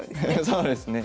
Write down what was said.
そうですね。